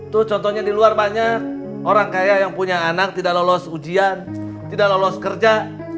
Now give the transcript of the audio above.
tuh contohnya di luar banyak orang kaya yang punya anak tidak lolos ujian tidak lolos kerja